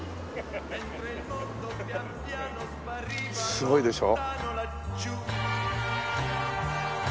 すごいでしょ？